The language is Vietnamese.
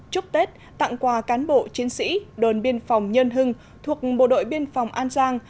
chúc tết tặng quà cán bộ chiến sĩ đồn biên phòng nhân hưng thuộc bộ đội biên phòng an giang